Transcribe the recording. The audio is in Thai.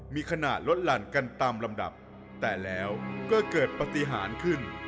มีขณะลดหลั่นกันตามลำดับแต่แล้วก็เกิดปฏิหารขึ้น